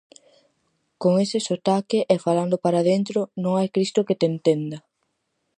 Con ese sotaque e falando para dentro, non hai Cristo que te entenda!